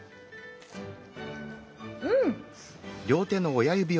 うん！